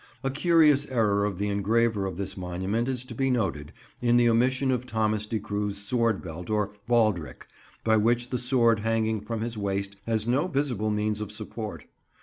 A curious error of the engraver of this monument is to be noted, in the omission of Thomas de Cruwe's sword belt or baldrick, by which the sword hanging from his waist has no visible means of support.